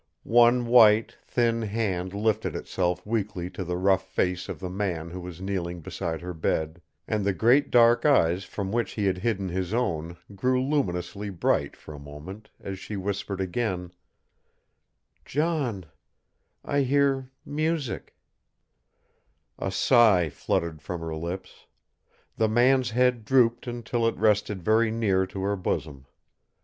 One white, thin hand lifted itself weakly to the rough face of the man who was kneeling beside her bed, and the great dark eyes from which he had hidden his own grew luminously bright for a moment, as she whispered again: "John I hear music " A sigh fluttered from her lips. The man's head drooped until it rested very near to her bosom.